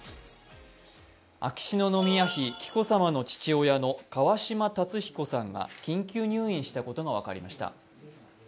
秋篠宮妃・紀子さまの父親の川嶋辰彦さんが緊急入院したことが分かりました。